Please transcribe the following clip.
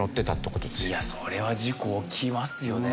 いやそれは事故起きますよね。